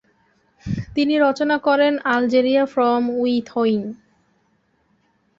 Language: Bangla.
তিনি রচনা করেন আলজেরিয়া ফ্রম উইথইন।